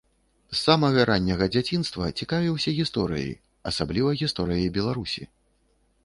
З самага ранняга дзяцінства цікавіўся гісторыяй, асабліва гісторыяй Беларусі.